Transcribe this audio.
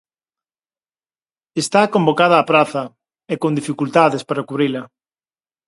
Está convocada a praza, e con dificultades para cubrila.